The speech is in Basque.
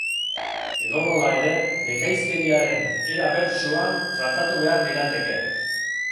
Edonola ere, bekaizkeriaren era bertsuan tratatu behar lirateke.